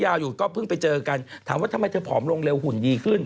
อยู่ก็เพิ่งไปเจอกันถามว่าทำไมเธอผอมลงเร็วหุ่นดีขึ้น